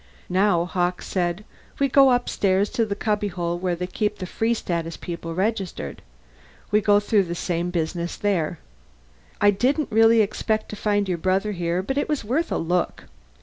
"Now," Hawkes said, "we go upstairs to the cubbyhole where they keep the Free Status people registered. We go through the same business there. I didn't really expect to find your brother here, but it was worth a look.